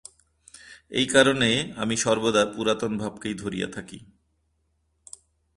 এই কারণে আমি সর্বদা পুরাতন ভাবকেই ধরিয়া থাকি।